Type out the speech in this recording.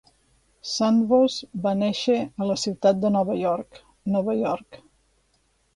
Sandvoss va néixer a la ciutat de Nova York, Nova York.